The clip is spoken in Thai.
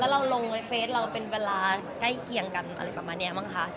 เราลงในเฟสเราเป็นเวลาใกล้เคียงกันอะไรประมาณนี้มั้งคะ